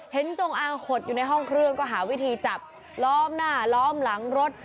จงอางหดอยู่ในห้องเครื่องก็หาวิธีจับล้อมหน้าล้อมหลังรถ